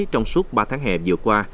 trong suốt ba tháng hè vừa qua